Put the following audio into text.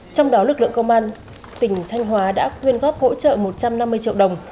trong đó lực lượng công an tỉnh thanh hóa đã quyên góp hỗ trợ một trăm năm mươi triệu đồng